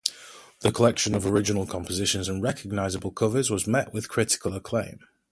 The collection of original compositions and recognizable covers was met with critical acclaim.